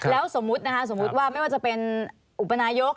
แล้วสมมุตินะคะสมมุติว่าไม่ว่าจะเป็นอุปนายก